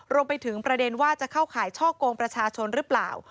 รวมไปถึงประเด็นว่าจะเข้าข่ายช่อกงประชาชนหรือเปล่า